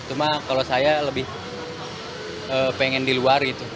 cuma kalau saya lebih pengen di luar gitu